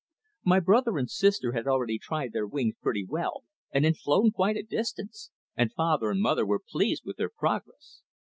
My brother and sister had already tried their wings pretty well, and had flown quite a distance, and father and mother were pleased with their progress.